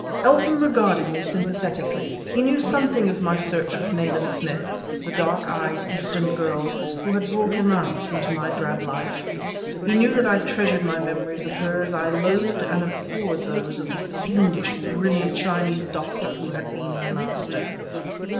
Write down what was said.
Eltham regarded me sympathetically; he knew something of my search with Nayland Smith for the dark eyed, Eastern girl who had brought romance into my drab life; he knew that I treasured my memories of her as I loathed and abhorred those of the fiendish, brilliant Chinese doctor who had been her master.